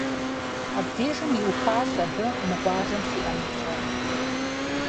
Абдежым иухащ абы мы къуажэм щиӏэну пщӏэр.